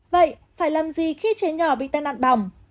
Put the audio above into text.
vậy phải làm gì khi trẻ nhỏ bị tai nạn bỏng